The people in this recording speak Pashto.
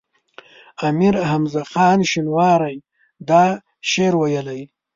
امیر حمزه خان شینواری دا شعر ویلی.